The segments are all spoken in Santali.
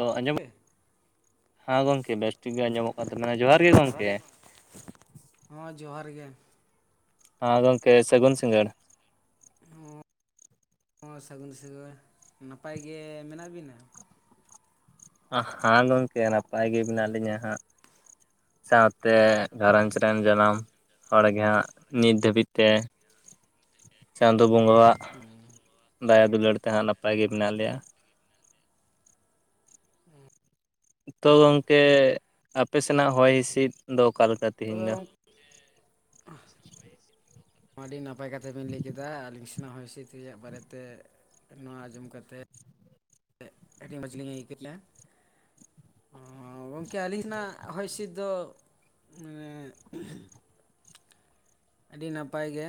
ᱳ ᱟᱸᱡᱚᱢᱚᱜ ᱦᱮᱸ ᱜᱚᱢᱠᱮ ᱵᱮᱥ ᱴᱷᱤᱠ ᱜᱮ ᱟᱸᱡᱚᱢᱚᱜ ᱠᱟᱱ ᱛᱟᱵᱤᱱᱟ ᱡᱚᱦᱟᱨ ᱜᱮ ᱜᱚᱢᱠᱮ, ᱦᱚᱸ ᱡᱚᱦᱟᱨ ᱜᱮ ᱦᱮᱸ ᱜᱚᱢᱠᱮ ᱥᱟᱹᱜᱩᱱ ᱥᱤᱸᱜᱟᱹᱲ ᱦᱚᱸ ᱥᱟᱹᱜᱩᱱ ᱥᱟᱸᱜᱟᱹᱲ ᱱᱟᱯᱟᱭ ᱜᱮ ᱢᱮᱱᱟᱜ ᱵᱤᱱᱟ ᱾ ᱦᱮᱸ ᱜᱚᱢᱠᱮ ᱱᱟᱯᱟᱭ ᱜᱮ ᱢᱮᱱᱟᱜ ᱞᱤᱧᱟᱹ ᱦᱟᱸᱜ ᱾ ᱥᱟᱶᱛᱮ ᱜᱷᱟᱨᱚᱸᱡᱽ ᱨᱮᱱ ᱡᱟᱱᱟᱢ ᱦᱚᱲ ᱜᱮ ᱦᱟᱸᱜ ᱱᱤᱛ ᱫᱷᱟᱹᱵᱤᱡ ᱛᱮ, ᱪᱟᱸᱫᱳ ᱵᱚᱸᱜᱟᱣᱟᱜ ᱫᱟᱭᱟ ᱫᱩᱞᱟᱹᱲ ᱛᱮ ᱦᱟᱸᱜ ᱱᱟᱯᱟᱭ ᱜᱮ ᱢᱮᱱᱟᱜ ᱞᱮᱭᱟ ᱾ ᱛᱚ ᱜᱚᱝᱠᱮ ᱟᱯᱮ ᱥᱮᱱᱟᱜ ᱦᱚᱭ ᱦᱤᱸᱥᱤᱫ ᱫᱚ ᱚᱠᱟ ᱞᱮᱠᱟ ᱾ ᱛᱚ [unintelligible] [inaudible] ᱟᱹᱰᱤ ᱱᱟᱯᱟᱭ ᱠᱟᱛᱷᱟ ᱵᱤᱱ ᱞᱟᱹᱭ ᱠᱮᱫᱟ ᱟᱹᱞᱤᱧ ᱥᱮᱱᱟᱜ ᱦᱚᱭ ᱦᱤᱸᱥᱤᱫ ᱨᱮᱭᱟᱜ ᱵᱟᱨᱮᱛᱮ ᱱᱚᱣᱟ ᱟᱸᱡᱚᱢ ᱠᱟᱛᱮ, ᱟᱹᱰᱤ ᱢᱚᱡᱽᱞᱤᱧ ᱟᱹᱭᱠᱟᱹᱜ ᱠᱮᱫᱟ ᱾ ᱦᱚ ᱜᱚᱝᱠᱮ ᱟᱹᱞᱤᱧ ᱥᱮᱱᱟᱜ ᱦᱚᱭ ᱦᱤᱸᱥᱤᱫ ᱫᱚ ᱟᱹᱰᱤ ᱱᱟᱯᱟᱭ ᱜᱮ,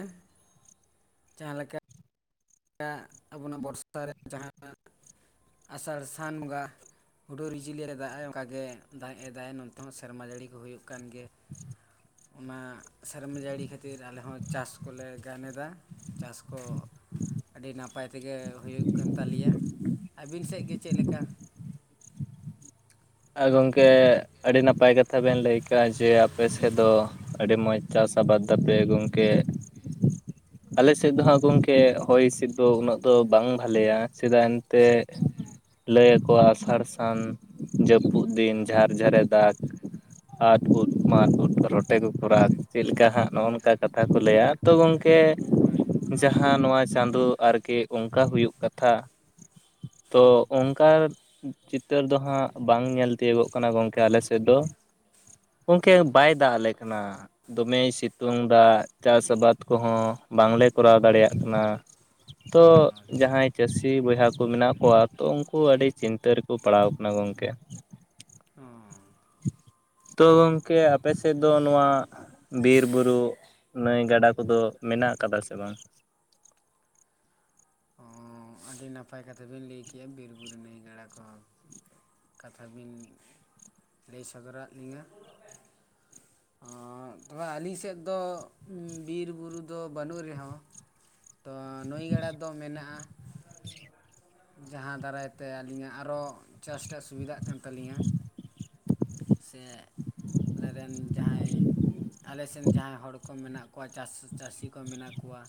ᱡᱟᱦᱟ ᱞᱮᱠᱟ ᱾ [unintelligible] ᱟᱥᱟᱲ ᱥᱟᱱ ᱵᱚᱸᱜᱟ ᱾ ᱦᱩᱰᱩᱨ-ᱵᱤᱡᱽᱞᱤ ᱨᱮ ᱫᱟᱜ ᱮ ᱚᱱᱠᱟ ᱜᱮ ᱫᱟᱜ ᱮ ᱫᱟᱜ ᱮᱫᱟᱭ ᱱᱚᱱᱛᱮ ᱦᱚᱸ ᱥᱮᱨᱢᱟ ᱡᱟᱹᱲᱤ ᱠᱚ ᱦᱩᱭᱩᱜ ᱠᱟᱱ ᱜᱮᱭᱟ ᱾ ᱚᱱᱟ ᱥᱮᱨᱢᱟᱹ ᱡᱟᱹᱲᱤ ᱠᱷᱟᱹᱛᱤᱨ ᱟᱞᱮ ᱦᱚᱸ ᱪᱟᱥ ᱠᱚᱞᱮ ᱜᱟᱱ ᱮᱫᱟ ᱾ ᱪᱟᱥ ᱠᱚ ᱟᱹᱰᱤ ᱱᱟᱯᱟᱭ ᱛᱮᱜᱮ ᱦᱩᱭᱩᱜ ᱠᱟᱱ ᱛᱟᱞᱮᱭᱟ ᱟᱹᱵᱤᱱ ᱥᱮᱫ ᱜᱮ ᱪᱮᱫ ᱞᱮᱠᱟ ᱾ ᱟᱫᱚ ᱜᱚᱢᱠᱮ ᱟᱹᱰᱤ ᱱᱟᱯᱟᱭ ᱠᱟᱛᱷᱟ ᱵᱤᱱ ᱞᱟᱹᱭ ᱠᱟᱜ ᱡᱮ ᱟᱯᱮ ᱥᱮᱫ ᱫᱚ, ᱟᱹᱰᱤ ᱢᱚᱡᱽ ᱪᱟᱥ-ᱟᱵᱟᱫ ᱛᱟᱯᱮ ᱜᱚᱝᱠᱮ, ᱟᱞᱮ ᱥᱮᱫ ᱫᱚ ᱦᱟᱸᱜ ᱜᱚᱢᱠᱮ ᱦᱚᱭ ᱦᱤᱸᱥᱤᱫ ᱫᱚ ᱩᱱᱟᱹᱜ ᱫᱚ ᱵᱟᱝ ᱵᱷᱟᱞᱮᱭᱟ ᱪᱮᱫᱟᱜ ᱮᱱᱛᱮ, ᱞᱟᱹᱭ ᱟᱠᱚ ᱟᱥᱟᱲ ᱥᱟᱱ ᱡᱟᱹᱯᱩᱫ ᱫᱤᱱ ᱡᱷᱟᱨ ᱡᱷᱟᱨᱮ ᱫᱟᱜ ᱟᱨ ᱩᱫ ᱢᱟᱴ ᱩᱫ ᱨᱚᱴᱮ ᱠᱚ ᱠᱚ ᱨᱟᱜ, ᱪᱮᱫ ᱞᱮᱠᱟ ᱦᱟᱸᱜ ᱱᱚᱝᱠᱟ ᱠᱟᱛᱷᱟ ᱠᱚ ᱞᱟᱹᱭᱟ ᱛᱚ ᱜᱚᱝᱠᱮ, ᱦᱳᱭ ᱦᱚᱭ ᱺ ᱡᱟᱦᱟᱸ ᱱᱚᱣᱟ ᱪᱟᱸᱫᱳ ᱟᱨᱠᱤ ᱚᱱᱠᱟ ᱦᱩᱭᱩᱜ ᱠᱟᱛᱷᱟ ᱛᱚ ᱚᱝ ᱚᱱᱠᱟᱱ ᱪᱤᱛᱟᱹᱨ ᱫᱚ ᱦᱟᱸᱜ ᱵᱟᱝ ᱧᱮᱞ ᱛᱤᱭᱳᱜᱚᱜ ᱠᱟᱱᱟ ᱜᱚᱢᱠᱮ ᱟᱞᱮ ᱥᱮᱫ ᱫᱚ ᱜᱚᱝᱠᱮ ᱵᱟᱭ ᱫᱟᱜ ᱟᱞᱮ ᱠᱟᱱᱟ ᱫᱚᱢᱮᱭ ᱥᱤᱛᱩᱝ ᱫᱟᱭ ᱪᱟᱥ ᱟᱵᱟᱫ ᱠᱚᱦᱚᱸ ᱵᱟᱝᱞᱮ ᱠᱚᱨᱟᱣ ᱫᱟᱲᱮᱭᱟᱜ ᱠᱟᱱᱟ ᱛᱚ ᱟᱪᱪᱷᱟ ᱡᱟᱦᱟᱸᱭ ᱪᱟᱹᱥᱤ ᱵᱚᱭᱦᱟ ᱠᱚ ᱢᱮᱱᱟᱜ ᱠᱚᱣᱟ ᱛᱚ ᱩᱱᱠᱩ ᱟᱹᱰᱤ ᱪᱤᱱᱛᱟᱹ ᱨᱮᱠᱚ ᱯᱟᱲᱟᱣ ᱠᱟᱱᱟ ᱜᱚᱝᱠᱮ ᱠᱮᱫ ᱦᱚᱸ ᱛᱚ ᱜᱚᱝᱠᱮ ᱟᱯᱮ ᱥᱮᱫ ᱫᱚ ᱱᱚᱣᱟ ᱵᱤᱨ ᱵᱩᱨᱩ ᱱᱟᱹᱭ ᱜᱟᱰᱟ ᱠᱚᱫᱚ ᱢᱮᱱᱟᱜ ᱟᱠᱟᱫᱟ ᱥᱮ ᱵᱟᱝ ᱦᱚᱸ ᱟᱹᱰᱤ ᱱᱟᱯᱟᱭ ᱠᱟᱛᱷᱟ ᱵᱤᱱ ᱞᱟᱹᱭ ᱠᱮ ᱵᱤᱨ ᱵᱩᱨᱩ ᱱᱟᱹᱭ ᱜᱟᱰᱟ ᱠᱚ ᱦᱚᱸ ᱠᱟᱛᱷᱟ ᱵᱤᱱ ᱞᱟᱹᱭ ᱥᱚᱫᱚᱨᱟᱜ ᱞᱤᱧᱟᱹ ᱚ ᱛᱚᱵᱮ ᱟᱹᱞᱤᱧ ᱥᱮᱫ ᱫᱚ ᱵᱤᱨ ᱵᱩᱨᱩ ᱫᱚ ᱵᱟᱹᱱᱩᱜ ᱨᱮᱦᱚᱸ ᱛᱚ ᱱᱟᱹᱭ ᱜᱟᱰᱟ ᱫᱚ ᱢᱮᱱᱟᱜᱼᱟ ᱡᱟᱦᱟᱸ ᱫᱟᱨᱟᱭ ᱛᱮ ᱟᱹᱞᱤᱧᱟᱜ ᱟᱨᱚ ᱪᱟᱥ ᱴᱟᱜ ᱥᱩᱵᱤᱫᱷᱟᱜ ᱠᱟᱱ ᱛᱟᱞᱤᱧᱟ ᱥᱮ ᱟᱞᱮ ᱨᱮᱱ ᱡᱟᱦᱟᱸᱭ ᱟᱞᱮ ᱥᱮᱱ ᱡᱟᱦᱟᱸᱭ ᱦᱚᱲ ᱠᱚ ᱢᱮᱱᱟᱜ ᱠᱚᱣᱟ ᱪᱟᱥ ᱪᱟᱹᱥᱤ ᱠᱚ ᱢᱮᱱᱟᱜ ᱠᱚᱣᱟ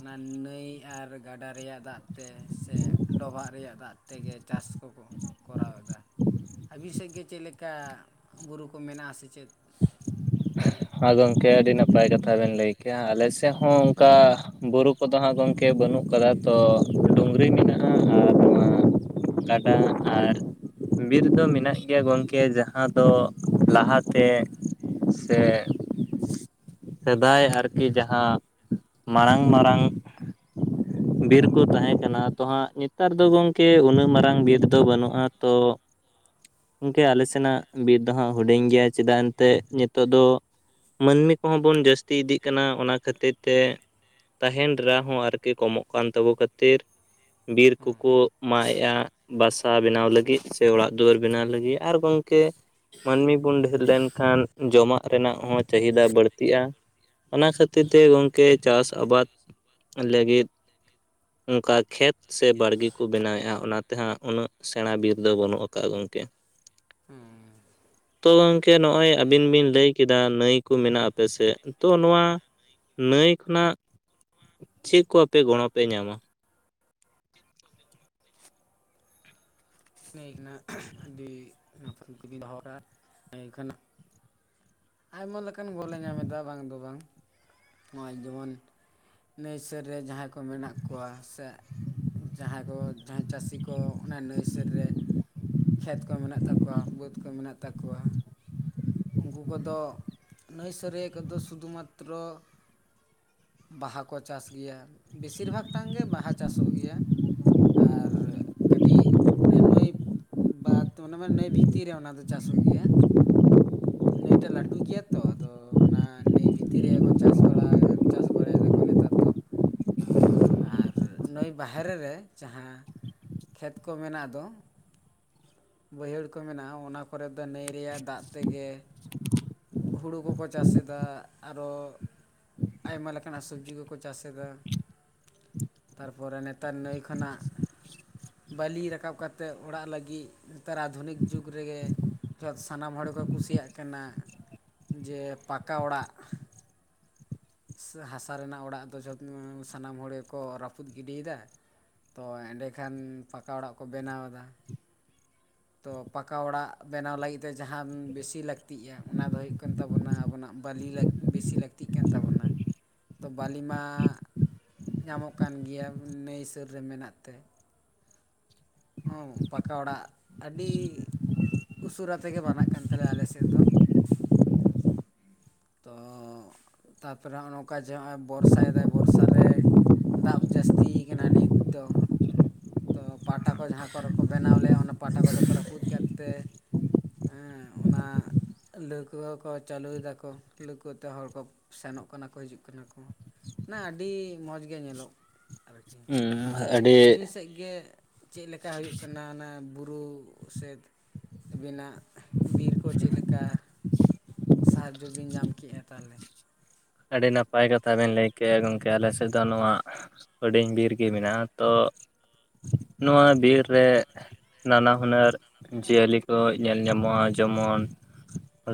ᱚᱱᱟ ᱱᱟᱹᱭ ᱟᱨ ᱜᱟᱰᱟ ᱨᱮᱭᱟᱜ ᱫᱟᱜ ᱛᱮ ᱥᱮ ᱰᱚᱵᱷᱟᱜ ᱨᱮᱭᱟᱜ ᱫᱟᱜ ᱛᱮᱜᱮ ᱪᱟᱥ ᱠᱚᱠᱚ ᱠᱚᱨᱟᱣ ᱮᱫᱟ ᱟᱵᱤᱱ ᱥᱮᱫ ᱜᱮ ᱪᱮᱫ ᱞᱮᱠᱟ ᱵᱩᱨᱩ ᱠᱚ ᱢᱮᱱᱟᱜᱼᱟ ᱥᱮ ᱪᱮᱫ ᱞᱟᱹᱭ ᱦᱚᱸ ᱜᱚᱢᱠᱮ ᱟᱹᱰᱤ ᱱᱟᱯᱟᱭ ᱠᱟᱛᱷᱟ ᱵᱮᱱ ᱞᱟᱹᱭ ᱠᱮᱜᱼᱟ ᱟᱞᱮᱥᱮᱫ ᱦᱚᱸ ᱚᱱᱠᱟ ᱵᱩᱨᱩ ᱠᱚᱫᱚ ᱦᱟᱸᱜ ᱜᱚᱝᱠᱮ ᱵᱟᱹᱱᱩᱜ ᱠᱟᱫᱟ ᱛᱚ ᱰᱩᱝᱨᱤ ᱢᱮᱱᱟᱜᱼᱟ ᱟᱨ ᱜᱟᱰᱟ ᱟᱨ ᱵᱤᱨ ᱫᱚ ᱢᱮᱱᱟᱜ ᱜᱮᱭᱟ ᱜᱚᱝᱠᱮ ᱡᱟᱦᱟᱸ ᱫᱚ ᱞᱟᱦᱟᱛᱮ ᱥᱮ ᱥᱮᱫᱟᱭ ᱟᱨ ᱠᱤ ᱡᱟᱦᱟᱸ ᱢᱟᱨᱟᱝ ᱢᱟᱨᱟᱝ ᱵᱤᱨ ᱠᱚ ᱛᱟᱦᱮᱸ ᱠᱟᱱᱟ ᱛᱚ ᱦᱟᱸᱜ ᱱᱮᱛᱟᱨ ᱫᱚ ᱜᱚᱝᱠᱮ ᱩᱱᱟᱹᱜ ᱢᱟᱨᱟᱝ ᱵᱤᱨ ᱫᱚ ᱵᱟᱹᱱᱩᱜᱼᱟ ᱛᱚ ᱜᱚᱝᱠᱮ ᱟᱞᱮ ᱥᱮᱱᱟᱜ ᱵᱤᱨ ᱫᱚ ᱦᱟᱸᱜ ᱦᱩᱰᱤᱧ ᱜᱮᱭᱟ ᱪᱮᱫᱟᱜ ᱮᱱᱛᱮ ᱱᱤᱛᱚᱜ ᱫᱚ ᱢᱟᱹᱱᱢᱤ ᱠᱚᱦᱚᱸ ᱵᱚᱱ ᱡᱟᱹᱥᱛᱤ ᱤᱫᱤᱜ ᱠᱟᱱᱟ ᱚᱱᱟ ᱠᱷᱟᱹᱛᱤᱨ ᱛᱮ ᱛᱟᱦᱮᱱ ᱰᱮᱨᱟ ᱦᱚᱸ ᱟᱨᱠᱤ ᱠᱚᱢᱚᱜ ᱠᱟᱱ ᱛᱟᱵᱚ ᱠᱷᱟᱹᱛᱤᱨ ᱵᱤᱨ ᱠᱚᱠᱚ ᱢᱟᱜ ᱮᱼᱟᱜ ᱵᱟᱥᱟ ᱵᱮᱱᱟᱣ ᱞᱟᱹᱜᱤᱫ ᱥᱮ ᱚᱲᱟᱜ ᱫᱩᱣᱟᱹᱨ ᱵᱮᱱᱟᱣ ᱞᱟᱹᱜᱤᱫ ᱟᱨ ᱜᱚᱝ ᱠᱮ ᱢᱟᱹᱱᱢᱤ ᱵᱚᱱ ᱰᱷᱮᱨ ᱞᱮᱱᱠᱷᱟᱱ ᱡᱚᱢᱟᱜ ᱨᱮᱱᱟᱜ ᱦᱚᱸ ᱪᱟᱹᱦᱤᱫᱟ ᱵᱟᱹᱲᱛᱤᱜᱼᱟ ᱚᱱᱟ ᱠᱷᱟᱹᱛᱤᱨ ᱛᱮ ᱜᱚᱢᱠᱮ ᱪᱟᱥ ᱟᱵᱟᱫᱽ ᱞᱟᱹᱜᱤᱫ ᱚᱱᱠᱟ ᱠᱷᱮᱛ ᱥᱮ ᱵᱟᱲᱜᱮ ᱠᱚ ᱵᱮᱱᱟᱣᱮᱜᱼᱟ ᱚᱱᱟ ᱛᱮᱦᱟᱸᱜ ᱩᱱᱟᱹᱜ ᱥᱮᱬᱟ ᱵᱤᱨ ᱫᱚ ᱵᱟᱹᱱᱩᱜ ᱟᱠᱟᱜᱼᱟ ᱜᱚᱝᱠᱮ ᱦᱮᱸ ᱛᱚ ᱜᱚᱝᱠᱮ ᱱᱚᱜᱼᱚᱭ ᱟᱵᱤᱱ ᱵᱤᱱ ᱞᱟᱹᱭ ᱠᱮᱫᱟ ᱱᱟᱹᱭ ᱠᱚ ᱢᱮᱱᱟᱜᱼᱟ ᱟᱯᱮ ᱥᱮᱫ ᱛᱚ ᱱᱚᱣᱟ ᱱᱟᱹᱭ ᱠᱷᱚᱱᱟᱜ ᱪᱮᱫ ᱠᱚ ᱟᱯᱮ ᱜᱚᱲᱚᱯᱮ ᱧᱟᱢᱟ ᱱᱟᱹᱭ ᱠᱷᱱᱟᱜ ᱟᱹᱰᱤ ᱱᱟᱯᱟᱭ ᱠᱩᱠᱞᱤ ᱵᱤᱱ ᱫᱚᱦᱚ ᱠᱮᱫᱼᱟ ᱱᱟᱹᱭ ᱠᱷᱱᱟᱜ ᱟᱭᱢᱟ ᱞᱮᱠᱟᱱ ᱜᱚᱞᱮ ᱧᱟᱢ ᱮᱫᱟ ᱵᱟᱝ ᱫᱚ ᱵᱟᱝ ᱱᱚᱜᱼᱚᱭ ᱡᱮᱢᱚᱱ ᱱᱟᱹᱭ ᱥᱮᱨ ᱨᱮ ᱡᱟᱦᱟᱸᱭ ᱠᱚ ᱢᱮᱱᱟᱜ ᱠᱚᱣᱟ ᱥᱮ ᱡᱟᱦᱟᱸᱭ ᱫᱚ ᱡᱟᱦᱟᱸᱭ ᱪᱟᱹᱥᱤ ᱠᱚ ᱚᱱᱟ ᱱᱟᱹᱭ ᱥᱮᱫ ᱨᱮ ᱠᱷᱮᱛ ᱠᱚ ᱢᱮᱱᱟᱜ ᱛᱟᱠᱚᱣᱟ ᱵᱟᱹᱫᱽ ᱠᱚ ᱢᱮᱱᱟᱜ ᱛᱟᱠᱚᱣᱟ ᱩᱱᱠᱩ ᱠᱚᱫᱚ ᱱᱟᱹᱭ ᱥᱮᱫᱨᱮᱜᱮ ᱠᱚᱫᱚ ᱥᱩᱫᱷᱩ ᱢᱟᱛᱨᱚ ᱵᱟᱦᱟ ᱠᱚ ᱪᱟᱥ ᱜᱮᱭᱟ ᱵᱮᱥᱤᱨ ᱵᱷᱟᱜᱽ ᱴᱟᱝ ᱜᱮ ᱵᱟᱦᱟ ᱪᱟᱥᱚᱜ ᱜᱮᱭᱟ ᱟᱨ ᱠᱟᱹᱴᱤᱡ ᱱᱩᱹᱭ ᱵᱟᱫᱽ ᱱᱟᱹᱭ ᱵᱷᱤᱛᱤᱨ ᱨᱮ ᱚᱱᱟ ᱫᱚ ᱪᱟᱥᱚᱜ ᱜᱮᱭᱟ ᱱᱟᱹᱭᱴᱟᱜ ᱞᱟᱹᱴᱩ ᱜᱮᱭᱟ ᱛᱚ ᱟᱫᱚ ᱚᱱᱟ ᱱᱟᱹᱭ ᱵᱷᱤᱛᱤᱨ ᱨᱮᱠᱚ ᱪᱟᱥ ᱵᱟᱲᱟᱭ ᱪᱟᱥ ᱵᱟᱲᱟᱭ ᱫᱟᱠᱚ ᱱᱮᱛᱟᱨ ᱫᱚ [unintelligible] ᱟᱨ ᱱᱟᱹᱭ ᱵᱟᱦᱮᱨᱮ ᱨᱮ ᱡᱟᱦᱟᱸ ᱠᱷᱮᱛ ᱠᱚ ᱢᱮᱱᱟᱜ ᱫᱚ ᱵᱟᱹᱭᱦᱟᱹᱲ ᱠᱚ ᱢᱮᱱᱟᱜᱼᱟ ᱚᱱᱟ ᱠᱚᱨᱮ ᱫᱚ ᱱᱟᱹᱭ ᱨᱮᱭᱟᱜ ᱫᱟᱜ ᱛᱮᱜᱮ ᱦᱩᱲᱩ ᱠᱚᱠᱚ ᱪᱟᱥ ᱮᱫᱟ ᱟᱨᱚ ᱟᱭᱢᱟ ᱞᱮᱠᱟᱱᱟᱜ ᱥᱚᱵᱡᱤ ᱠᱚᱠᱚ ᱪᱟᱥ ᱮᱫᱟ ᱛᱟᱨᱯᱚᱨᱮ ᱱᱮᱛᱟᱨ ᱱᱟᱹᱭ ᱠᱷᱚᱱᱟᱜ ᱵᱟᱹᱞᱤ ᱨᱟᱠᱟᱵ ᱠᱟᱛᱮᱫ ᱚᱲᱟᱜ ᱞᱟᱹᱜᱤᱜ ᱱᱮᱛᱟᱨᱟᱜ ᱟᱫᱷᱩᱱᱤᱠ ᱡᱩᱜᱽ ᱨᱮᱜᱮ [unintelligible] ᱥᱟᱱᱟᱢ ᱦᱚᱲ ᱠᱚ ᱠᱩᱥᱤᱭᱟᱜ ᱠᱟᱱᱟ ᱡᱮ ᱯᱟᱠᱟ ᱚᱲᱟᱜ ᱦᱟᱥᱟ ᱨᱮᱱᱟᱜ ᱚᱲᱟᱜ ᱫᱚ ᱡᱚᱛ ᱥᱟᱱᱟᱢ ᱦᱚᱲ ᱜᱮᱠᱚ ᱨᱟᱹᱯᱩᱫ ᱜᱤᱰᱤᱭᱮᱫᱟ᱾ ᱛᱚ ᱮᱸᱰᱮ ᱠᱷᱟᱱ ᱯᱟᱠᱟ ᱚᱲᱟᱜ ᱠᱚ ᱵᱮᱱᱟᱣ ᱮᱫᱟ [inaudible] ᱛᱚ ᱯᱟᱠᱟ ᱚᱲᱟᱜ ᱵᱮᱱᱟᱣ ᱞᱟᱹᱜᱤᱫ ᱛᱮ ᱡᱟᱦᱟᱸ ᱵᱮᱥᱤ ᱞᱟᱹᱠᱛᱤᱜᱼᱟ ᱚᱱᱟ ᱫᱚ ᱦᱩᱭᱩᱜ ᱠᱟᱱ ᱛᱟᱵᱚᱱᱟ ᱟᱵᱚᱱᱟᱜ ᱵᱟᱞᱤ ᱞᱟᱹᱠ ᱵᱮᱥᱤ ᱞᱟᱹᱠᱛᱤᱜ ᱠᱟᱱ ᱛᱟᱵᱚᱱᱟ ᱛᱚ ᱵᱟᱞᱤᱢᱟ ᱧᱟᱢᱚᱜ ᱠᱟᱱ ᱜᱮᱭᱟ ᱱᱟᱹᱭ ᱥᱟᱹᱨ ᱨᱮ ᱢᱮᱱᱟᱜ ᱛᱮ ᱦᱚᱸ ᱯᱟᱠᱟ ᱚᱲᱟᱜ ᱟᱹᱰᱤ ᱩᱥᱟᱹᱨᱟ ᱛᱮ ᱜᱮ ᱵᱱᱟᱜ ᱠᱟᱱ ᱛᱟᱞᱮᱭᱟ ᱟᱞᱮ ᱥᱮᱫ ᱫᱚ ᱛᱚ ᱛᱟᱨᱯᱚᱨᱮ ᱦᱚᱸᱜᱼᱚᱭ ᱱᱚᱝᱠᱟ ᱱᱚᱜᱼᱚᱭ ᱵᱚᱨᱥᱟᱭᱮᱫᱟᱭ ᱵᱚᱨᱥᱟ ᱨᱮ ᱫᱟᱵ ᱡᱟᱹᱥᱛᱤᱭ ᱠᱟᱱᱟ ᱱᱤᱛ ᱫᱚ ᱛᱚ ᱯᱟᱴᱟ ᱠᱚ ᱡᱟᱦᱟᱸ ᱠᱚᱨᱮ ᱠᱚ ᱵᱮᱱᱟᱣ ᱞᱮᱭᱟ ᱚᱱᱟ ᱯᱟᱴᱟ ᱠᱚᱫᱚ ᱠᱚ ᱨᱟᱹᱯᱩᱫ ᱠᱮᱫ ᱛᱮ ᱦᱮᱸ ᱚᱱᱟ ᱞᱟᱹᱣᱠᱟᱹ ᱠᱚ ᱪᱟᱹᱞᱩᱭ ᱫᱟᱠᱚ ᱞᱟᱹᱣᱠᱟᱹ ᱛᱮ ᱦᱚᱲ ᱠᱚ ᱥᱮᱱᱚᱜ ᱠᱟᱱᱟ ᱠᱚ ᱦᱤᱡᱩᱜ ᱠᱟᱱᱟ ᱠᱚ ᱢᱟᱱᱮ ᱟᱹᱰᱤ ᱢᱚᱡᱽ ᱜᱮ ᱧᱮᱞᱚᱜ ᱟᱨᱠᱤ ᱦᱩᱸ ᱟᱹᱰᱤ ᱟᱹᱵᱤᱱ ᱥᱮᱜ ᱜᱮ ᱪᱮᱫ ᱞᱮᱠᱟ ᱦᱩᱭᱩᱜ ᱠᱟᱱᱟ ᱚᱱᱟ ᱵᱩᱨᱩ ᱥᱮᱫ ᱟᱹᱵᱤᱱᱟᱜ ᱵᱤᱨ ᱠᱚ ᱪᱮᱫ ᱞᱮᱠᱟ ᱥᱟᱦᱟᱡᱽᱵᱤᱱ ᱧᱟᱢ ᱠᱮᱜᱼᱟ ᱛᱟᱦᱚᱞᱮ᱾ ᱟᱹᱰᱤ ᱱᱟᱯᱟᱭ ᱠᱟᱛᱷᱟ ᱵᱮᱱ ᱞᱟᱹᱭ ᱠᱮᱜᱼᱟ ᱜᱚᱝᱠᱮ ᱟᱞᱮ ᱥᱮᱫ ᱫᱚ ᱱᱚᱣᱟ ᱦᱩᱰᱤᱧ ᱵᱤᱨ ᱜᱮ ᱢᱮᱱᱟᱜᱼᱟ ᱛᱚ ᱱᱚᱣᱟ ᱵᱤᱨ ᱨᱮ ᱱᱟᱱᱟ ᱦᱩᱱᱟᱹᱨ ᱡᱤᱭᱟᱹᱞᱤ ᱠᱚ ᱧᱮᱞ ᱧᱟᱢᱚᱜᱼᱟ ᱡᱮᱢᱚᱱ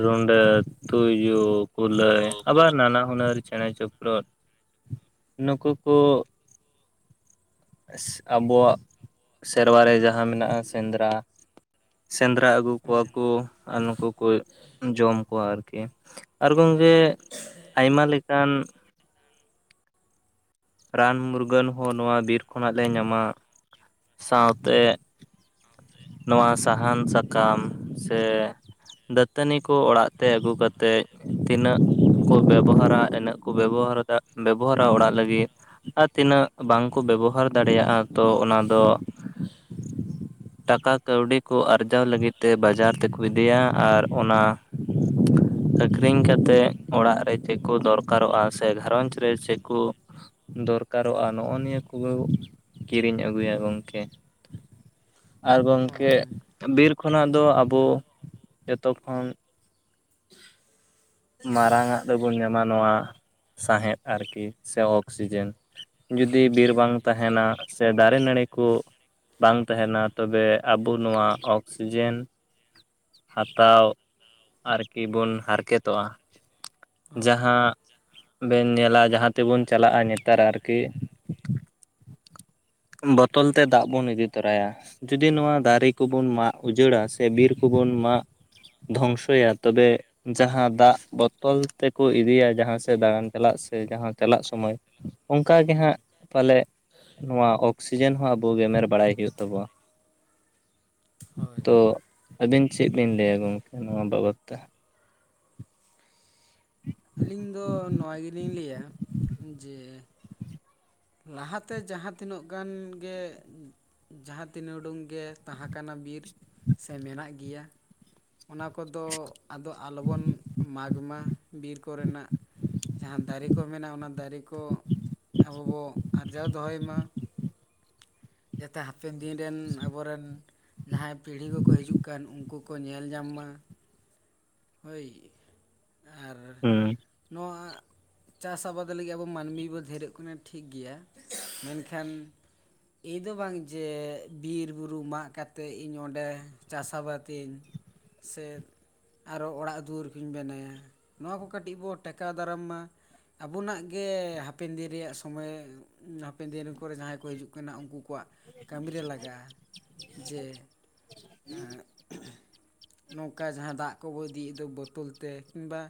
ᱨᱩᱸᱰᱟᱹ ᱛᱩᱭᱩ ᱠᱩᱞᱟᱹᱭ ᱟᱵᱟᱨ ᱱᱟᱱᱟ ᱦᱩᱱᱟᱹᱨ ᱪᱮᱸᱬᱮ ᱪᱤᱯᱨᱩᱫ ᱱᱩᱠᱩ ᱠᱚ ᱟᱵᱚᱣᱟᱜ ᱥᱮᱨᱣᱟ ᱨᱮ ᱡᱟᱦᱟᱸ ᱢᱮᱱᱟᱜᱼᱟ ᱥᱮᱸᱱᱫᱽᱨᱟ ᱥᱮᱸᱱᱫᱽᱨᱟ ᱟᱹᱜᱩ ᱠᱚᱣᱟ ᱦᱮᱸ ᱠᱚ ᱟᱨ ᱱᱩᱠᱩ ᱠᱚ ᱡᱚᱢ ᱠᱚᱣᱟ ᱟᱨᱠᱤ ᱟᱨ ᱜᱚᱝᱠᱮ ᱟᱭᱢᱟ ᱞᱮᱠᱟᱱ ᱨᱟᱱ ᱢᱩᱨᱜᱟᱹᱱ ᱦᱚᱸ ᱱᱚᱣᱟ ᱵᱤᱨ ᱠᱷᱚᱱᱟᱜ ᱞᱮ ᱧᱟᱢᱟ ᱥᱟᱶᱛᱮ ᱱᱚᱣᱟ ᱥᱟᱦᱟᱱ ᱥᱟᱠᱟᱢ ᱥᱮ ᱫᱟᱹᱛᱟᱹᱱᱤ ᱠᱚ ᱚᱲᱟᱜ ᱛᱮ ᱟᱹᱜᱩ ᱠᱟᱛᱮᱫ ᱛᱤᱱᱟᱹᱜ ᱠᱚ ᱵᱮᱵᱚᱦᱟᱨᱟ ᱤᱱᱟᱹᱜ ᱠᱚ ᱵᱮᱵᱚᱦᱟᱨᱟ ᱫᱟ ᱵᱮᱵᱚᱦᱟᱨᱟ ᱚᱲᱟᱜ ᱞᱟᱹᱜᱤᱫ ᱟᱨ ᱛᱤᱱᱟᱹᱜ ᱵᱟᱝᱠᱚ ᱵᱮᱵᱚᱦᱟᱨ ᱫᱟᱲᱮᱭᱟᱜᱼᱟ ᱛᱚ ᱚᱱᱟ ᱫᱚ ᱴᱟᱠᱟ ᱠᱟᱹᱣᱰᱤ ᱠᱚ ᱟᱨᱡᱟᱣ ᱞᱟᱹᱜᱤᱫ ᱛᱮ ᱵᱟᱡᱟᱨ ᱛᱮᱠᱚ ᱤᱫᱤᱭᱟ ᱟᱨ ᱚᱱᱟ ᱟᱹᱠᱷᱨᱤᱧ ᱠᱟᱛᱮᱫ ᱚᱲᱟᱜ ᱨᱮ ᱪᱮᱫ ᱠᱚ ᱫᱚᱨᱠᱟᱨᱚᱜᱼᱟ ᱥᱮ ᱜᱷᱟᱨᱚᱸᱡᱽ ᱨᱮ ᱪᱮᱫ ᱠᱚ ᱫᱚᱨᱠᱟᱨᱚᱜᱼᱟ ᱱᱚᱜᱼᱚᱸ ᱱᱤᱭᱟᱹ ᱠᱚ ᱠᱤᱨᱤᱧ ᱟᱹᱜᱩᱭᱟ ᱜᱚᱝᱠᱮ ᱟᱨ ᱜᱚᱝᱠᱮ ᱦᱮᱸ ᱵᱤᱨ ᱠᱷᱚᱱᱟᱜ ᱫᱚ ᱟᱵᱚ ᱡᱚᱛᱚ ᱠᱷᱚᱱ ᱢᱟᱨᱟᱝ-ᱟᱜ ᱫᱚᱵᱚᱱ ᱧᱟᱢᱟ ᱱᱚᱣᱟ ᱥᱟᱸᱦᱮᱫᱽ ᱟᱨᱠᱤ ᱥᱮ ᱚᱠᱥᱤᱡᱮᱱ ᱡᱩᱫᱤ ᱵᱤᱨ ᱵᱟᱝ ᱦᱮᱸ ᱛᱟᱦᱮᱱᱟ ᱥᱮ ᱫᱟᱨᱮ ᱱᱟᱹᱲᱤ ᱠᱚ ᱵᱟᱝ ᱛᱟᱦᱮᱱᱟ ᱛᱚᱵᱮ ᱟᱵᱚ ᱱᱚᱣᱟ ᱚᱠᱥᱤᱡᱮᱱ ᱦᱟᱛᱟᱣ ᱟᱨᱠᱤ ᱵᱚᱱ ᱦᱟᱨᱠᱮᱛᱚᱜᱼᱟ ᱦᱳᱭ ᱦᱳᱭ ᱡᱟᱦᱟᱸ ᱵᱮᱱ ᱧᱮᱞᱟ ᱡᱟᱦᱟᱸ ᱛᱮᱵᱚᱱ ᱪᱟᱞᱟᱜᱼᱟ ᱱᱮᱛᱟᱨ ᱟᱨᱠᱤ ᱵᱚᱛᱚᱞ ᱛᱮ ᱫᱟᱜᱽ ᱵᱚᱱ ᱤᱫᱤ ᱛᱟᱨᱟᱭᱟ ᱡᱩᱫᱤ ᱱᱚᱣᱟ ᱫᱟᱨᱮ ᱠᱚᱵᱚᱱ ᱢᱟᱜᱽ ᱩᱡᱟᱹᱲᱟ ᱥᱮ ᱵᱤᱨ ᱠᱚᱵᱚᱱ ᱢᱟᱜᱽ ᱫᱷᱚᱝᱥᱚᱭᱟ ᱛᱚᱵᱮ ᱡᱟᱦᱟᱸ ᱫᱟᱜᱽ ᱵᱚᱛᱚᱞ ᱛᱮᱠᱚ ᱤᱫᱤᱭᱟ ᱡᱟᱦᱟᱸ ᱥᱮᱫ ᱫᱟᱬᱟᱱ ᱪᱟᱞᱟᱜ ᱥᱮ ᱡᱟᱦᱟᱸ ᱪᱟᱞᱟᱜ ᱥᱚᱢᱚᱭ ᱚᱱᱠᱟ ᱜᱮ ᱦᱮᱸ ᱦᱟᱸᱜ ᱯᱟᱞᱮᱜ ᱱᱚᱣᱟ ᱚᱠᱥᱤᱡᱮᱱ ᱦᱚᱸ ᱟᱵᱚ ᱜᱮᱢᱮᱨ ᱵᱟᱲᱟᱭ ᱦᱩᱭᱩᱜ ᱛᱟᱵᱚᱱᱟ᱾ ᱦᱳᱭ ᱛᱚ ᱦᱳᱭ ᱟᱹᱵᱤᱱ ᱪᱮᱫ ᱵᱤᱱ ᱞᱟᱹᱭᱟ ᱜᱚᱝᱠᱮ ᱱᱚᱣᱟ ᱵᱟᱵᱚᱫ ᱛᱮ ᱟᱹᱞᱤᱧ ᱫᱚ ᱱᱚᱣᱟ ᱜᱮᱞᱤᱧ ᱞᱟᱹᱭᱟ ᱡᱮ ᱞᱟᱦᱟᱛᱮ ᱡᱟᱦᱟᱸ ᱛᱤᱱᱟᱹᱜ ᱜᱟᱱ ᱜᱮ ᱡᱟᱦᱟ ᱛᱤᱱ ᱩᱰᱩᱝ ᱜᱮ ᱛᱟᱸᱦᱟ ᱠᱟᱱᱟ ᱵᱤᱨ ᱥᱮ ᱢᱮᱱᱟᱜ ᱜᱮᱭᱟ ᱚᱱᱟ ᱠᱚᱫᱚ ᱟᱫᱚ ᱟᱞᱚᱵᱚᱱ ᱢᱟᱜᱽ ᱢᱟ ᱵᱤᱨ ᱠᱚᱨᱮᱱᱟᱜ ᱡᱟᱸᱦᱟ ᱫᱟᱨᱮ ᱠᱚ ᱢᱮᱱᱟᱜᱼᱟ ᱚᱱᱟ ᱫᱟᱨᱮ ᱠᱚ ᱟᱵᱚ ᱵᱚ ᱟᱨᱡᱟᱣ ᱫᱚᱦᱚᱭ ᱢᱟ ᱡᱟᱛᱮ ᱦᱟᱯᱮᱱ ᱫᱤᱱ ᱨᱮᱱ ᱟᱵᱚᱨᱮᱱ ᱡᱟᱸᱦᱟᱸᱭ ᱯᱤᱲᱦᱤ ᱠᱚᱠᱚ ᱦᱤᱡᱩᱜ ᱠᱟᱱ ᱩᱱᱠᱩ ᱠᱚ ᱧᱮᱞ ᱧᱟᱢ ᱢᱟ ᱦᱳᱭ ᱟᱨ ᱦᱩᱸ ᱱᱚᱣᱟ ᱪᱟᱥ ᱟᱵᱟᱫ ᱞᱟᱹᱜᱤᱫ ᱟᱵᱚ ᱢᱟᱹᱱᱢᱤ ᱵᱚ ᱫᱷᱮᱨᱚᱜ ᱠᱟᱱᱟ ᱴᱷᱤᱠ ᱜᱮᱭᱟ ᱢᱮᱱᱠᱷᱟᱱ ᱮᱭ ᱫᱚ ᱵᱟᱝ ᱡᱮ ᱵᱤᱨᱵᱩᱨᱩ ᱢᱟᱜ ᱠᱟᱛᱮᱜ ᱤᱧ ᱚᱸᱰᱮ ᱪᱟᱥ ᱟᱵᱟᱫ ᱤᱧ ᱥᱮ ᱟᱨᱚ ᱚᱲᱟᱜ ᱫᱩᱣᱟᱹᱨ ᱠᱚᱧ ᱵᱮᱱᱟᱭᱟ ᱱᱚᱣᱟ ᱠᱚ ᱠᱟᱹᱴᱤᱡ ᱵᱚ ᱴᱮᱠᱟᱣ ᱫᱟᱨᱟᱢ ᱢᱟ ᱟᱵᱩᱱᱟᱜ ᱜᱮ ᱦᱟᱯᱮᱱ ᱫᱤᱱ ᱨᱮᱭᱟᱜ ᱥᱚᱢᱚᱭ ᱦᱩᱸ ᱦᱟᱯᱮᱱ ᱫᱤᱱ ᱠᱚᱨᱮ ᱡᱟᱦᱟᱸᱭ ᱠᱚ ᱦᱤᱡᱩᱜ ᱠᱟᱱᱟ ᱩᱱᱠᱩ ᱠᱚᱣᱟᱜ ᱠᱟᱹᱢᱤᱨᱮ ᱞᱟᱜᱟᱜᱼᱟ ᱡᱮ ᱱᱚᱝᱠᱟ ᱡᱟᱦᱟᱸ ᱫᱟᱜ ᱠᱚᱵᱚ ᱤᱫᱤᱭᱮᱫ ᱫᱟ ᱵᱳᱛᱳᱚᱞ ᱛᱮ ᱠᱤᱝᱵᱟ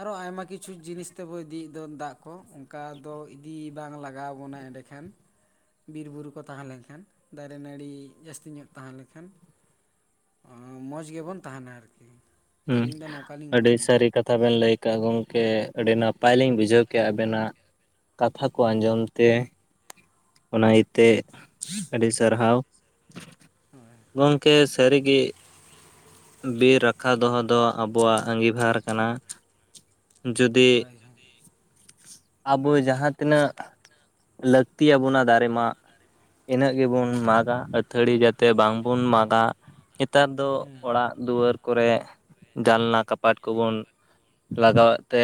ᱟᱨᱚ ᱟᱭᱢᱟ ᱠᱤᱪᱷᱩ ᱡᱤᱱᱤᱥ ᱛᱮᱵᱚ ᱤᱫᱤᱭᱮᱫ ᱫᱚ ᱫᱟᱜ ᱠᱚ ᱚᱱᱠᱟ ᱫᱚ ᱤᱫᱤ ᱵᱟᱝ ᱞᱟᱜᱟᱣ ᱵᱚᱱᱟ ᱮᱸᱰᱮ ᱠᱷᱟᱱ ᱵᱤᱨ-ᱵᱩᱨᱩ ᱠᱚ ᱛᱟᱦᱟᱸ ᱞᱮᱱᱠᱷᱟᱱ ᱫᱟᱨᱮ ᱱᱟᱹᱲᱤ ᱡᱟᱹᱥᱛᱤ ᱧᱚᱜ ᱛᱟᱦᱟᱸᱞᱱᱠᱷᱟᱱ ᱢᱚᱡᱽ ᱜᱮᱵᱚᱱ ᱛᱟᱦᱟᱱᱟ ᱟᱨᱠᱤ ᱦᱩᱸ ᱟᱹᱞᱤᱧ ᱫᱚ ᱱᱚᱝᱠᱟᱞᱤᱧ ᱟᱹᱰᱤ ᱢᱚᱱᱮᱭᱟ ᱥᱟᱹᱨᱤ ᱠᱟᱛᱷ ᱛᱷᱟ ᱵᱮᱱ ᱞᱟᱹᱭ ᱠᱟᱜᱼᱟ ᱜᱚᱢᱠᱮ ᱟᱹᱰᱤ ᱱᱟᱯᱟᱭ ᱞᱤᱧ ᱵᱩᱡᱷᱟᱹᱣ ᱠᱮᱜᱼᱟ ᱟᱵᱮᱱᱟᱜ ᱠᱟᱛᱷᱟ ᱠᱚ ᱟᱸᱡᱚᱢ ᱛᱮ ᱚᱱᱟ ᱤᱛᱮ ᱟᱹᱰᱤ ᱥᱟᱨᱦᱟᱣ ᱦᱳᱭ ᱜᱚᱝᱠᱮ ᱥᱟᱹᱨᱤᱜᱤ ᱵᱤᱨ ᱨᱟᱠᱷᱟ ᱫᱚᱦᱚ ᱫᱚ ᱟᱵᱚᱣᱟᱜ ᱟᱺᱜᱤᱵᱷᱟᱨ ᱠᱟᱱᱟ ᱡᱩᱫᱤ ᱡᱩᱫᱤ ᱟᱵᱚ ᱡᱟᱦᱟᱸ ᱛᱤᱱᱟᱹᱜ ᱞᱟᱹᱠᱛᱤ ᱭᱟᱵᱚᱱᱟ ᱫᱟᱨᱮ ᱢᱟᱜ ᱤᱱᱟᱹᱜ ᱜᱮᱵᱚᱱ ᱢᱟᱜᱟ ᱟᱹᱛᱷᱟᱹᱲᱤ ᱡᱟᱛᱮ ᱵᱟᱝᱵᱚᱱ ᱢᱟᱜᱟ ᱱᱮᱛᱟᱨ ᱫᱚ ᱦᱮᱸ ᱚᱲᱟᱜ ᱫᱩᱣᱟᱹᱨ ᱠᱚᱨᱮᱜ ᱠᱟᱯᱟᱴ ᱠᱚᱵᱚᱱ ᱞᱟᱜᱟᱣᱮᱫ ᱛᱮ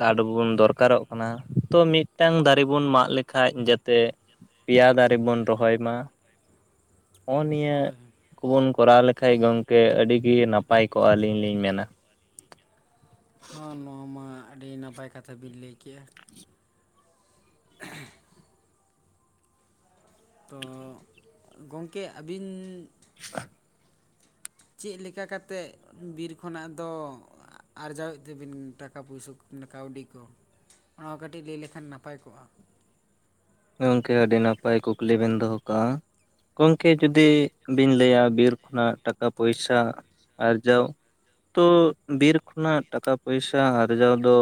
ᱠᱟᱰ ᱵᱚᱱ ᱫᱚᱨᱠᱟᱨᱚᱜ ᱠᱟᱱᱟ ᱛᱚ ᱢᱤᱫ ᱢᱤᱫᱴᱟᱝ ᱫᱟᱨᱮ ᱵᱚᱱ ᱢᱟᱜ ᱞᱮᱠᱷᱟᱡ ᱡᱟᱛᱮ ᱯᱮᱭᱟ ᱫᱟᱨᱮ ᱵᱚᱱ ᱨᱚᱦᱚᱭ ᱢᱟ ᱦᱚᱜᱼᱚ ᱱᱤᱭᱟᱹ ᱦᱳᱭ ᱠᱩᱵᱩᱱ ᱠᱚᱨᱟᱣ ᱞᱮᱠᱷᱟᱡ ᱜᱚᱢᱠᱮ ᱟᱹᱰᱤᱜᱤ ᱱᱟᱯᱟᱭ ᱠᱚᱜᱼᱟ ᱟᱹᱞᱤᱧ ᱞᱤᱧ ᱢᱮᱱᱟ ᱦᱚ ᱱᱚᱣᱟ ᱢᱟ ᱟᱹᱰᱤ ᱱᱟᱯᱟᱭ ᱠᱟᱛᱷᱟ ᱵᱤᱱ ᱞᱟᱹᱭ ᱠᱮᱜᱼᱟ [inaudible] ᱛᱚ ᱜᱚᱢᱠᱮ ᱟᱹᱵᱤᱱ [inaudible] ᱪᱤᱜ ᱞᱮᱠᱟ ᱠᱟᱛᱮᱜ ᱵᱤᱨ ᱠᱷᱚᱱᱟᱜ ᱫᱚ ᱟᱨᱡᱟᱣᱮᱫ ᱛᱮᱟᱹᱵᱤᱱ ᱴᱟᱠᱟ ᱯᱩᱭᱥᱟᱹ ᱢᱟᱱ ᱠᱟᱹᱣᱰᱤ ᱠᱚ ᱚᱱᱟ ᱠᱟᱹᱴᱤᱡ ᱞᱟᱹᱭ ᱞᱮᱠᱷᱟᱱ ᱱᱟᱯᱟᱭ ᱠᱚᱜᱼᱟ ᱜᱚᱝᱠᱮ ᱟᱹᱰᱤ ᱱᱟᱯᱟᱭ ᱠᱩᱠᱞᱤ ᱵᱤᱱ ᱫᱚᱦᱚ ᱠᱟᱜᱼᱟ ᱜᱚᱝᱠᱮ ᱡᱩᱫᱤ ᱵᱤᱱ ᱞᱟᱹᱭᱟ ᱵᱤᱨ ᱠᱷᱚᱱᱟᱜ ᱴᱟᱠᱟ ᱯᱚᱭᱥᱟ ᱟᱨᱡᱟᱣ ᱛᱚ ᱵᱤᱨ ᱠᱷᱚᱱᱟᱜ ᱴᱟᱠᱟ ᱯᱚᱭᱥᱟ ᱟᱨᱡᱟᱣ ᱫᱚ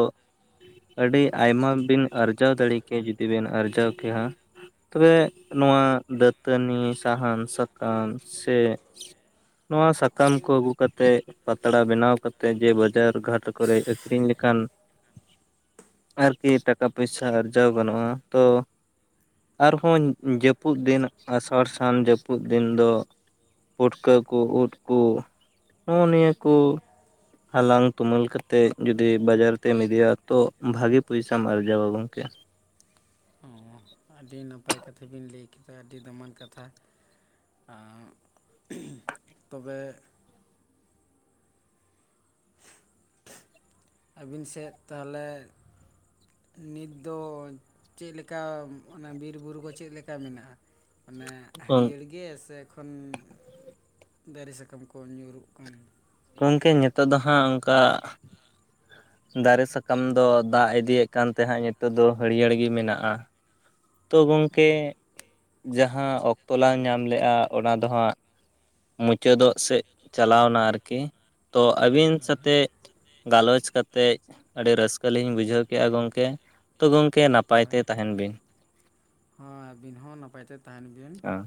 ᱟᱹᱰᱤ ᱟᱭᱢᱟ ᱵᱤᱱ ᱟᱨᱡᱟᱣ ᱫᱟᱲᱮ ᱠᱮᱭᱟ ᱡᱩᱫᱤ ᱵᱤᱱ ᱟᱨᱡᱟᱣ ᱠᱮᱭᱟ ᱛᱚᱵᱮ ᱱᱚᱣᱟ ᱫᱟᱹᱛᱟᱹᱱᱤ ᱥᱟᱦᱟᱱ ᱥᱟᱠᱟᱢ ᱥᱮ ᱱᱚᱣᱟ ᱥᱟᱠᱟᱢ ᱠᱚ ᱟᱹᱜᱩ ᱠᱟᱛᱮᱜ ᱯᱟᱛᱲᱟ ᱵᱮᱱᱟᱣ ᱠᱟᱛᱮ ᱡᱮ ᱵᱟᱡᱟᱨ ᱜᱷᱟᱴ ᱠᱚᱨᱮ ᱟᱹᱠᱷᱨᱤᱧ ᱞᱮᱠᱟᱱ ᱟᱨᱠᱤ ᱴᱟᱠᱟ ᱯᱚᱭᱥᱟ ᱟᱨᱡᱟᱣ ᱜᱟᱱᱚᱜᱼᱟ ᱛᱚ ᱟᱨᱦᱚᱸ ᱡᱟᱹᱯᱩᱫ ᱫᱤᱱ ᱟᱥᱟᱲ ᱥᱟᱱ ᱡᱟᱹᱯᱩᱫ ᱫᱤᱱ ᱫᱚ ᱯᱩᱴᱠᱟᱹ ᱠᱚ ᱩᱫ ᱠᱚ ᱱᱚᱜᱼᱚ ᱱᱤᱭᱟᱹ ᱠᱚ ᱦᱟᱞᱟᱝ ᱛᱩᱢᱟᱹᱞ ᱠᱟᱛᱮᱫ ᱡᱩᱫᱤ ᱵᱟᱡᱟᱨ ᱛᱮᱢ ᱤᱫᱤᱭᱟ ᱛᱚ ᱵᱷᱟᱜᱤ ᱯᱚᱭᱥᱟᱢ ᱟᱨᱡᱟᱣᱟ ᱜᱚᱝᱠᱮ ᱦᱮᱸ ᱟᱹᱰᱤ ᱱᱟᱯᱟᱭ ᱠᱟᱛᱷᱟ ᱵᱮᱤᱱ ᱞᱟᱹᱭ ᱠᱮᱫᱟ ᱟᱹᱰᱤ ᱫᱟᱢᱟᱱ ᱠᱟᱛᱷᱟ ᱟᱸ [unintelligible] ᱛᱚᱵᱮ [inaudible] ᱟᱹᱵᱤᱱ ᱥᱮᱫ ᱛᱟᱦᱚᱞᱮ ᱱᱤᱛ ᱫᱚ ᱪᱮᱫ ᱞᱮᱠᱟ ᱚᱱᱟ ᱵᱤᱨᱵᱩᱨᱩ ᱠᱚ ᱪᱮᱫ ᱞᱮᱠᱟ ᱢᱮᱱᱟᱜᱼᱟ ᱚᱱᱮ ᱦᱟᱹᱨᱭᱟᱹᱲ ᱜᱮ ᱥᱮ ᱮᱠᱷᱚᱱ ᱫᱟᱨᱮ ᱥᱟᱠᱟᱢ ᱠᱚ ᱧᱩᱨᱩᱜ ᱠᱟᱱ ᱜᱚᱝᱠᱮ ᱱᱤᱛᱚᱜ ᱫᱚ ᱦᱟᱸᱜ ᱚᱱᱠᱟ ᱫᱟᱨᱮ ᱥᱟᱠᱟᱢ ᱫᱚ ᱫᱟᱜ ᱤᱫᱤᱭᱮᱫ ᱠᱟᱱ ᱛᱟᱦᱮᱸᱜ ᱱᱤᱛᱚᱜ ᱫᱚ ᱦᱟᱹᱨᱭᱟᱹᱲ ᱜᱮ ᱢᱮᱱᱟᱜᱼᱟ ᱛᱚ ᱜᱚᱢᱠᱮ ᱡᱟᱦᱟᱸ ᱚᱠᱛᱚ ᱞᱟᱝ ᱧᱟᱢ ᱞᱮᱜᱼᱟ ᱚᱱᱟ ᱫᱚ ᱦᱟᱸᱜ ᱢᱩᱪᱟᱹᱫᱚᱜ ᱥᱮᱫ ᱪᱟᱞᱟᱣᱮᱱᱟ ᱟᱨᱠᱤ ᱛᱳ ᱦᱳᱭ ᱟᱹᱵᱤᱱ ᱦᱳᱭ ᱥᱟᱛᱮᱜ ᱜᱟᱞᱚᱪ ᱠᱟᱛᱮᱫ ᱟᱹᱰᱤ ᱨᱟᱹᱥᱠᱟᱹ ᱞᱤᱧ ᱵᱩᱡᱷᱟᱹᱣ ᱠᱮᱜᱼᱟ ᱜᱚᱢᱠᱮ ᱛᱚ ᱜᱚᱢᱠᱮ ᱱᱟᱯᱟᱭ ᱛᱮ ᱛᱟᱦᱮᱱ ᱵᱤᱱ ᱦᱚᱭ ᱟᱹᱵᱤᱱ ᱦᱚᱸ ᱱᱟᱯᱟᱭᱛᱮ ᱛᱟᱦᱮᱱ ᱵᱤᱱ ᱦᱮᱸ